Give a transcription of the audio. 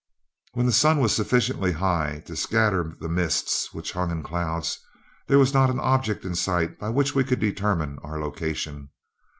When the sun was sufficiently high to scatter the mists which hung in clouds, there was not an object in sight by which we could determine our location.